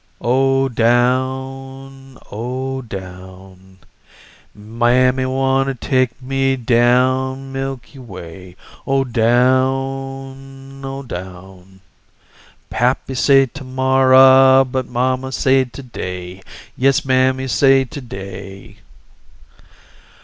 "Oh down oh down, Mammy wanna take me down milky way, Oh down, oh down, Pappy say to morra a a ah But mammy say to day, Yes mammy say to day!"